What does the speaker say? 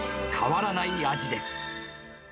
変わらない味です。